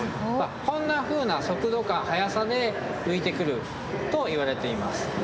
こんなふうな速度感速さで浮いてくるといわれています。